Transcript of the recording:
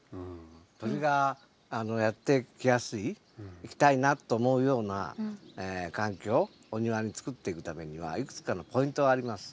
鳥がやって来やすい来たいなと思うような環境お庭に作っていくためにはいくつかのポイントがあります。